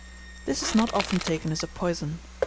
This is not often taken as a poison.